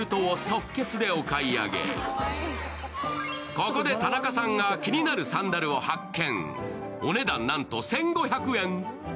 ここで田中さんが気になるサンダルを発見。